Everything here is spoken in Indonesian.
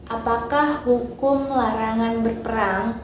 apakah hukum larangan berperang